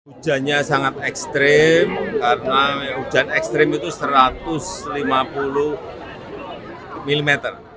hujannya sangat ekstrim karena hujan ekstrim itu satu ratus lima puluh mm